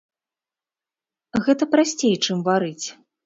Гэта прасцей, чым варыць.